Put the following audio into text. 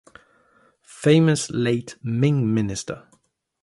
Famous late Ming Minister.